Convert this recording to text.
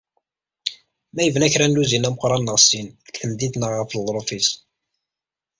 Ma yebna kra n luzin ameqqran neɣ sin deg temdint neɣ ɣef leḍruf-is.